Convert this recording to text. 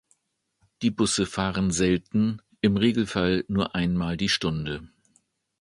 Die Busse fahren selten, im Regelfall nur einmal die Stunde.